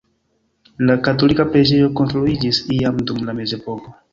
La katolika preĝejo konstruiĝis iam dum la mezepoko.